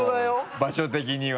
場所的には。